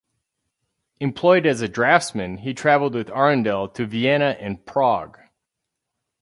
Employed as a draftsman, he travelled with Arundel to Vienna and Prague.